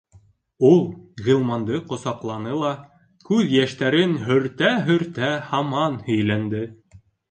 Ул Ғилманды ҡосаҡланы ла, күҙ йәштәрен һөртә-һөртә, һаман һөйләнде: